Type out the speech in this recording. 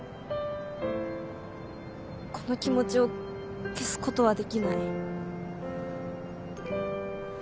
この気持ちを消すことはできない。